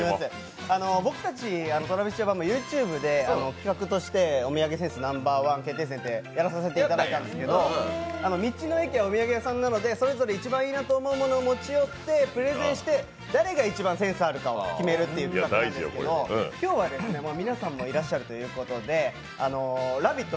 僕たちＴｒａｖｉｓＪａｐａｎのＹｏｕＴｕｂｅで企画としてお土産センスＮｏ．１決定戦ってやらさせていただいたんですけど、道の駅やお土産屋さんなどでそれぞれがいいなと思うものを選んでプレゼンして、誰が一番センスあるかを決めるというものなんですけど今日は皆さんもいらっしゃるということで「ラヴィット！」